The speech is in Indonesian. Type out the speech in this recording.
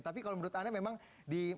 tapi kalau menurut anda memang di